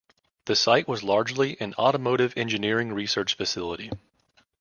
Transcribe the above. The site was largely an automotive engineering research facility.